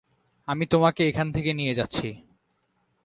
আমি তোমাকে এখান থেকে নিয়ে যাচ্ছি।